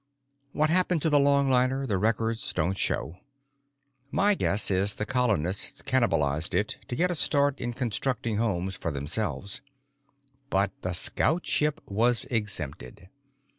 What happened to the longliner the records don't show; my guess is the colonists cannibalized it to get a start in constructing homes for themselves. But the scout ship was exempted.